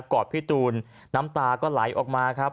กอบพี่ตูนน้ำตาก็ไหลออกมา